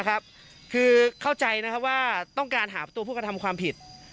คือเข้าใจนะครับว่าต้องการหาตัวผู้กระทำความผิด